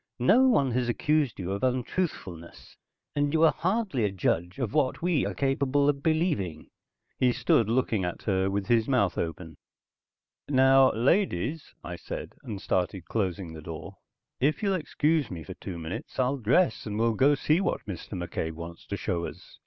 "No one has accused you of untruthfulness, and you are hardly a judge of what we are capable of believing." He stood looking at her with his mouth open. "Now ladies," I said, and started closing the door. "If you'll excuse me for two minutes I'll dress and we'll go see what Mr. McCabe wants to show us."